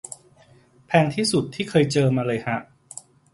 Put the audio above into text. แพงที่สุดที่เคยเจอมาเลยฮะ